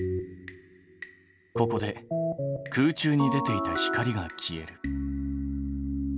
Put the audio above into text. ここで空中に出ていた光が消える。